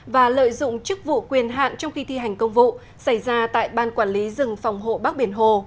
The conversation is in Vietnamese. và lợi dụng chức vụ quyền hạn trong khi thi hành công vụ xảy ra tại ban quản lý rừng phòng hộ bắc biển hồ